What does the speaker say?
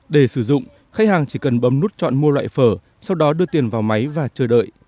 để sử dụng khách hàng chỉ cần bấm nút chọn mua loại phở sau đó đưa tiền vào máy và chờ đợi